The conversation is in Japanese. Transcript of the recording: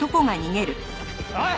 おい！